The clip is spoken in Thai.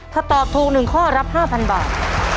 ถ้าตอบถูก๑ข้อรับ๕๐๐บาท